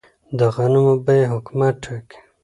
د غنمو بیه حکومت ټاکي؟